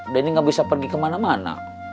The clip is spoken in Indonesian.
denny gak bisa pergi kemana mana